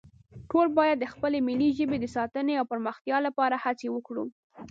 ټول باید د خپلې ملي ژبې د ساتنې او پرمختیا لپاره هڅې وکړو